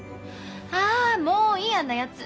あもういいあんなやつ。